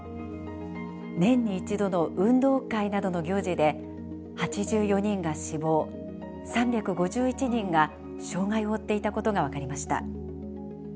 年に一度の運動会などの行事で８４人が死亡３５１人が障害を負っていたことが分かりました。